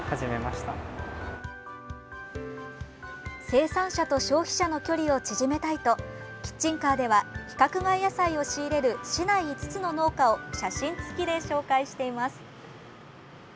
生産者と消費者の距離を縮めたいとキッチンカーでは規格外野菜を仕入れる市内５つの農家を写真付きで紹介しています。